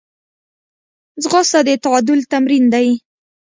ځغاسته د تعادل تمرین دی